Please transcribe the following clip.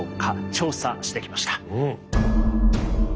調査してきました。